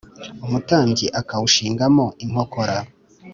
umutambya akawushinga mo inkokora,